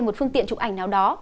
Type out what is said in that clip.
một phương tiện chụp ảnh nào đó